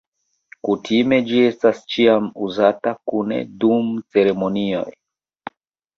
Kutime, ĝi estas ĉiam uzita kune dum ceremonioj.